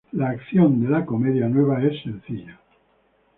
La acción de "La comedia nueva" es sencilla.